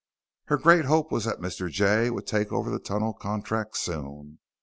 Her great hope was that Mr. Jay would take over the tunnel contract soon.